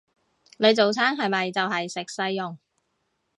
你早餐係咪就係食細蓉？